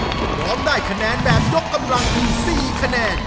จะรอบได้คะแนนแบบยกกำลังที่๔คะแนน